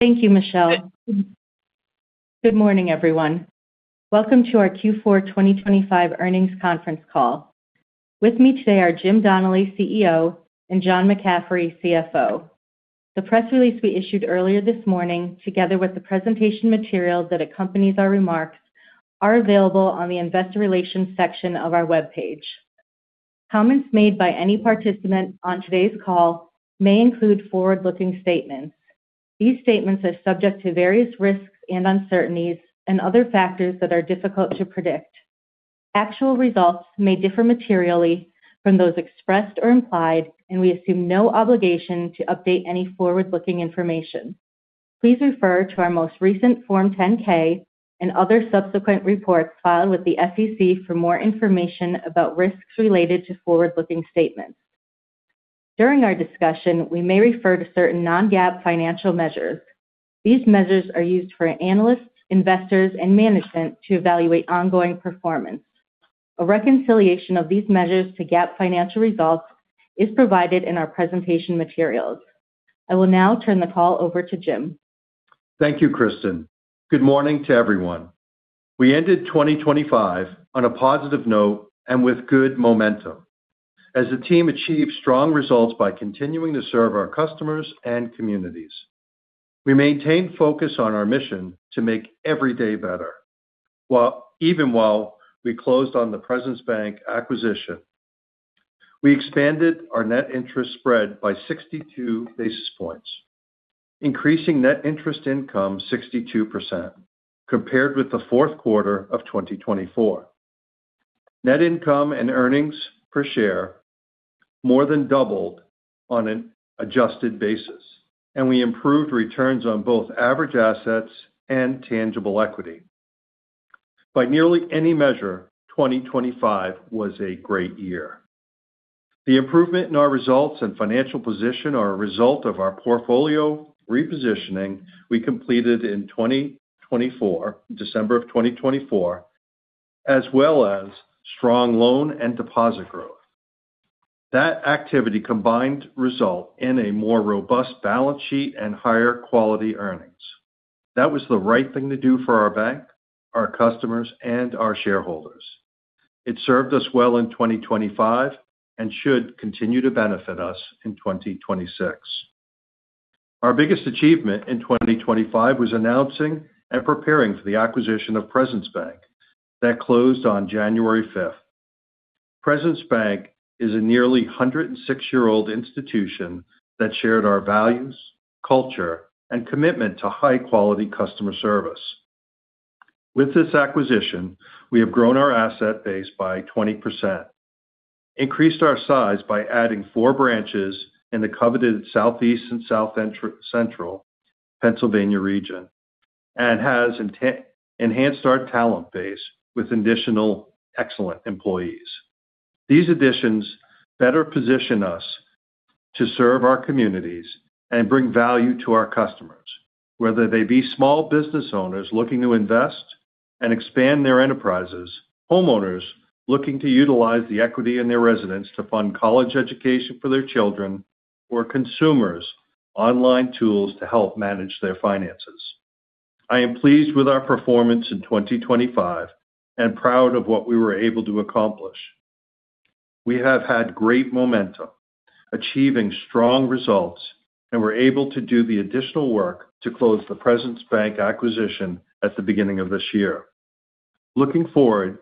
Thank you, Michelle. Good morning, everyone. Welcome to our Q4 2025 earnings conference call. With me today are Jim Donnelly, CEO, and John McCaffery, CFO. The press release we issued earlier this morning, together with the presentation material that accompanies our remarks, is available on the Investor Relations section of our web page. Comments made by any participant on today's call may include forward-looking statements. These statements are subject to various risks and uncertainties and other factors that are difficult to predict. Actual results may differ materially from those expressed or implied, and we assume no obligation to update any forward-looking information. Please refer to our most recent Form 10-K and other subsequent reports filed with the SEC for more information about risks related to forward-looking statements. During our discussion, we may refer to certain non-GAAP financial measures. These measures are used for analysts, investors, and management to evaluate ongoing performance. A reconciliation of these measures to GAAP financial results is provided in our presentation materials. I will now turn the call over to Jim. Thank you, Kristin. Good morning to everyone. We ended 2025 on a positive note and with good momentum, as the team achieved strong results by continuing to serve our customers and communities. We maintained focus on our mission to make every day better, even while we closed on the Presence Bank acquisition. We expanded our net interest spread by 62 basis points, increasing net interest income 62% compared with the fourth quarter of 2024. Net income and earnings per share more than doubled on an adjusted basis, and we improved returns on both average assets and tangible equity. By nearly any measure, 2025 was a great year. The improvement in our results and financial position is a result of our portfolio repositioning we completed in December of 2024, as well as strong loan and deposit growth. That activity combined resulted in a more robust balance sheet and higher quality earnings. That was the right thing to do for our bank, our customers, and our shareholders. It served us well in 2025 and should continue to benefit us in 2026. Our biggest achievement in 2025 was announcing and preparing for the acquisition of Presence Bank that closed on January 5th. Presence Bank is a nearly 106-year-old institution that shared our values, culture, and commitment to high-quality customer service. With this acquisition, we have grown our asset base by 20%, increased our size by adding four branches in the coveted Southeast and South Central Pennsylvania region, and have enhanced our talent base with additional excellent employees. These additions better position us to serve our communities and bring value to our customers, whether they be small business owners looking to invest and expand their enterprises, homeowners looking to utilize the equity in their residence to fund college education for their children, or consumers' online tools to help manage their finances. I am pleased with our performance in 2025 and proud of what we were able to accomplish. We have had great momentum, achieving strong results, and were able to do the additional work to close the Presence Bank acquisition at the beginning of this year. Looking forward,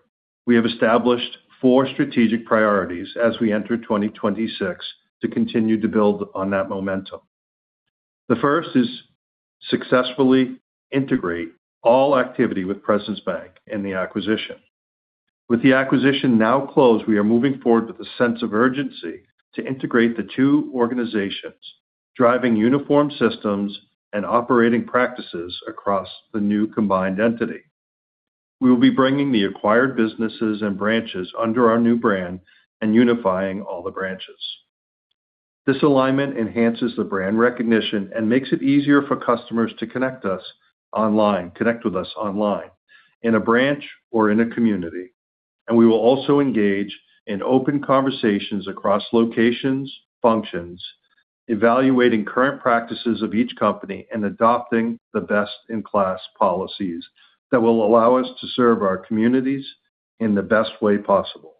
we have established four strategic priorities as we enter 2026 to continue to build on that momentum. The first is to successfully integrate all activity with Presence Bank in the acquisition. With the acquisition now closed, we are moving forward with a sense of urgency to integrate the two organizations, driving uniform systems and operating practices across the new combined entity. We will be bringing the acquired businesses and branches under our new brand and unifying all the branches. This alignment enhances the brand recognition and makes it easier for customers to connect with us online in a branch or in a community, and we will also engage in open conversations across locations, functions, evaluating current practices of each company and adopting the best-in-class policies that will allow us to serve our communities in the best way possible.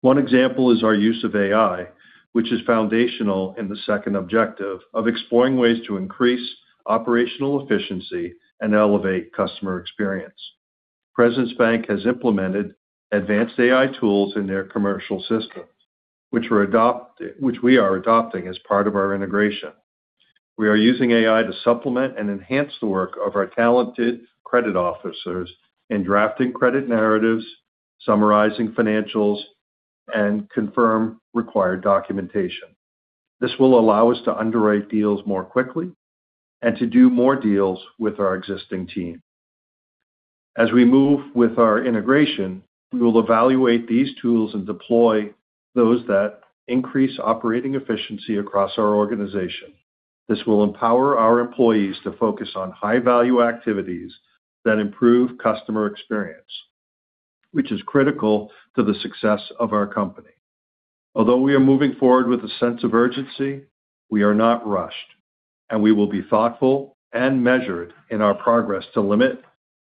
One example is our use of AI, which is foundational in the second objective of exploring ways to increase operational efficiency and elevate customer experience. Presence Bank has implemented advanced AI tools in their commercial systems, which we are adopting as part of our integration. We are using AI to supplement and enhance the work of our talented credit officers in drafting credit narratives, summarizing financials, and confirming required documentation. This will allow us to underwrite deals more quickly and to do more deals with our existing team. As we move with our integration, we will evaluate these tools and deploy those that increase operating efficiency across our organization. This will empower our employees to focus on high-value activities that improve customer experience, which is critical to the success of our company. Although we are moving forward with a sense of urgency, we are not rushed, and we will be thoughtful and measured in our progress to limit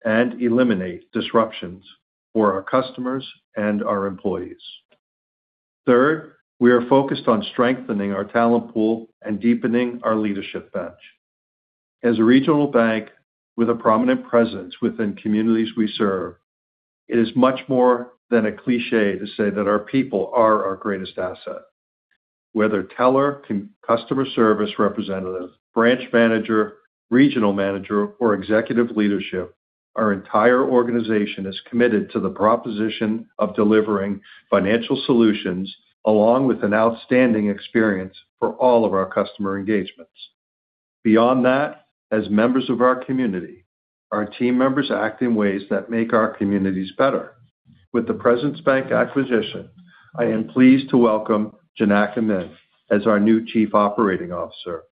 and eliminate disruptions for our customers and our employees. Third, we are focused on strengthening our talent pool and deepening our leadership bench. As a regional bank with a prominent presence within communities we serve, it is much more than a cliché to say that our people are our greatest asset. Whether teller, customer service representative, branch manager, regional manager, or executive leadership, our entire organization is committed to the proposition of delivering financial solutions along with an outstanding experience for all of our customer engagements. Beyond that, as members of our community, our team members act in ways that make our communities better. With the Presence Bank acquisition, I am pleased to welcome Janak Amin as our new Chief Operating Officer.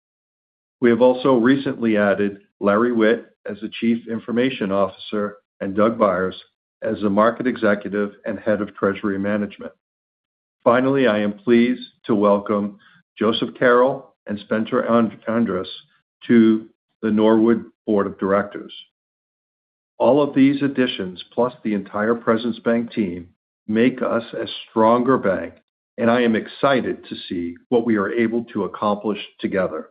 We have also recently added Larry Witt as the Chief Information Officer and Doug Byers as the Market Executive and Head of Treasury Management. Finally, I am pleased to welcome Joseph Carroll and Spencer Andress to the Norwood Board of Directors. All of these additions, plus the entire Presence Bank team, make us a stronger bank, and I am excited to see what we are able to accomplish together.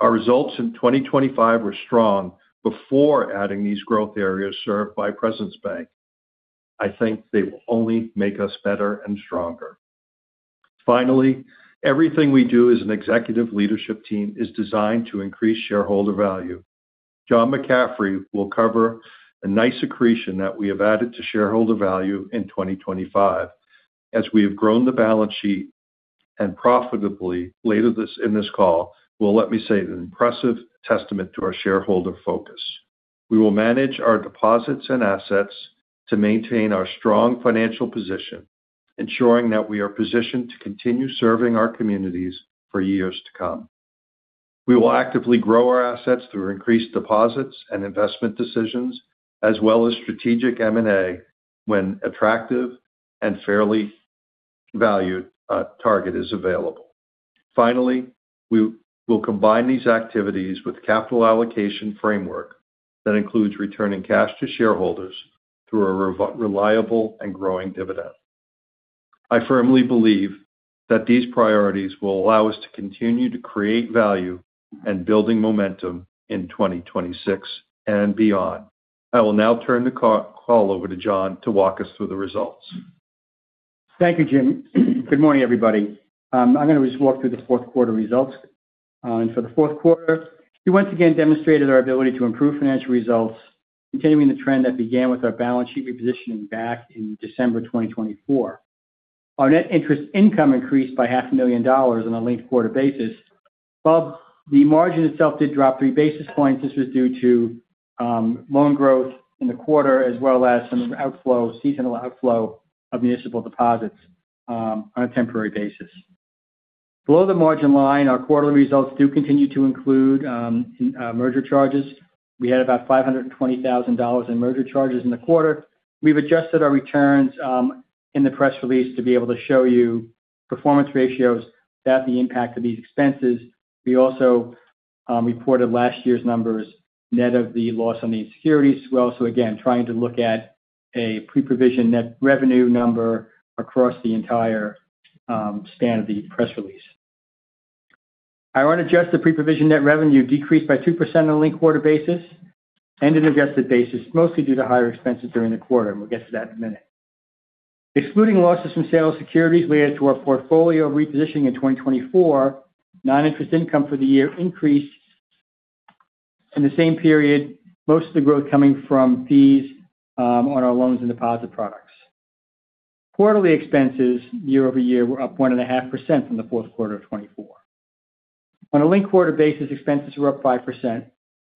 Our results in 2025 were strong before adding these growth areas served by Presence Bank. I think they will only make us better and stronger. Finally, everything we do as an executive leadership team is designed to increase shareholder value. John McCaffery will cover a nice accretion that we have added to shareholder value in 2025. As we have grown the balance sheet and profitability later in this call, well, let me say, an impressive testament to our shareholder focus. We will manage our deposits and assets to maintain our strong financial position, ensuring that we are positioned to continue serving our communities for years to come. We will actively grow our assets through increased deposits and investment decisions, as well as strategic M&A when an attractive and fairly valued target is available. Finally, we will combine these activities with a capital allocation framework that includes returning cash to shareholders through a reliable and growing dividend. I firmly believe that these priorities will allow us to continue to create value and build momentum in 2026 and beyond. I will now turn the call over to John to walk us through the results. Thank you, Jim. Good morning, everybody. I'm going to just walk through the fourth quarter results. For the fourth quarter, we once again demonstrated our ability to improve financial results, continuing the trend that began with our balance sheet repositioning back in December 2024. Our net interest income increased by $500,000 on a linked quarter basis. While the margin itself did drop three basis points, this was due to loan growth in the quarter, as well as some seasonal outflow of municipal deposits on a temporary basis. Below the margin line, our quarterly results do continue to include merger charges. We had about $520,000 in merger charges in the quarter. We've adjusted our returns in the press release to be able to show you performance ratios without the impact of these expenses. We also reported last year's numbers net of the loss on these securities. We're also, again, trying to look at a pre-provision net revenue number across the entire span of the press release. Our unadjusted pre-provision net revenue decreased by 2% on a linked quarter basis and an adjusted basis, mostly due to higher expenses during the quarter. We'll get to that in a minute. Excluding losses from sale of securities led to our portfolio repositioning in 2024. Non-interest income for the year increased in the same period, most of the growth coming from fees on our loans and deposit products. Quarterly expenses year over year were up 1.5% from the fourth quarter of 2024. On a linked quarter basis, expenses were up 5%. This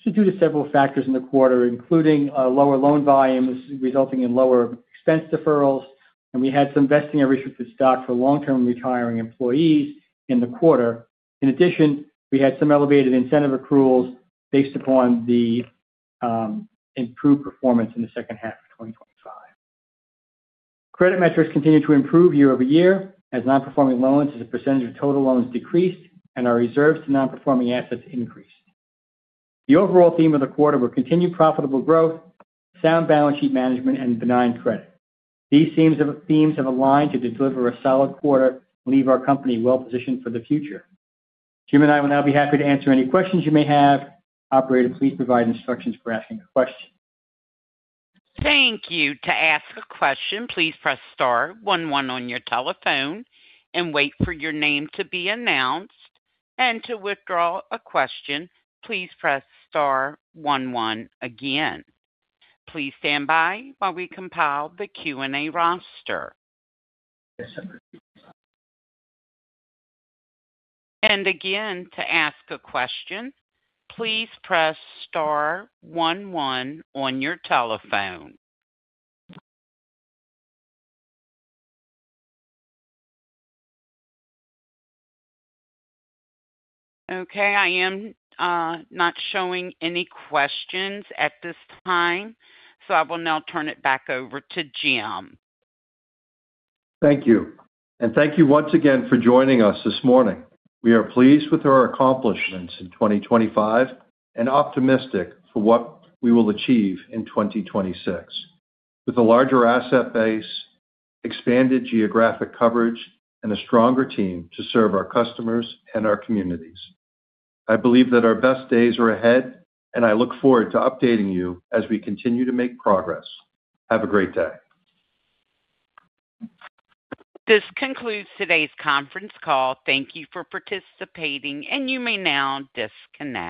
is due to several factors in the quarter, including lower loan volumes resulting in lower expense deferrals, and we had some vesting of restricted stock for long-term retiring employees in the quarter. In addition, we had some elevated incentive accruals based upon the improved performance in the second half of 2025. Credit metrics continue to improve year over year as non-performing loans as a percentage of total loans decreased and our reserves to non-performing assets increased. The overall theme of the quarter will continue profitable growth, sound balance sheet management, and benign credit. These themes have aligned to deliver a solid quarter and leave our company well-positioned for the future. Jim and I will now be happy to answer any questions you may have. Operator, please provide instructions for asking a question. Thank you. To ask a question, please press star one one on your telephone and wait for your name to be announced. And to withdraw a question, please press star one one again. Please stand by while we compile the Q&A roster. And again, to ask a question, please press star one one on your telephone. Okay, I am not showing any questions at this time, so I will now turn it back over to Jim. Thank you, and thank you once again for joining us this morning. We are pleased with our accomplishments in 2025 and optimistic for what we will achieve in 2026 with a larger asset base, expanded geographic coverage, and a stronger team to serve our customers and our communities. I believe that our best days are ahead, and I look forward to updating you as we continue to make progress. Have a great day. This concludes today's conference call. Thank you for participating, and you may now disconnect.